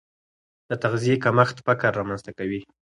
د تغذیې کمښت فقر رامنځته کوي.